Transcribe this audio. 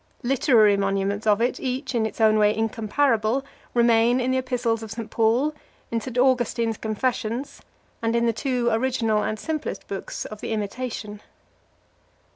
Literary monuments of it, each, in its own way, incomparable, remain in the Epistles of St. Paul, in St. Augustine's Confessions, and in the two original and simplest books of the Imitation.